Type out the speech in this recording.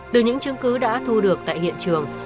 từ những chứng cứ đã thu được tại hiện trường